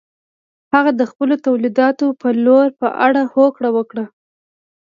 هغه د خپلو تولیداتو پلور په اړه هوکړه وکړه.